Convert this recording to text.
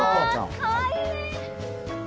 かわいいね！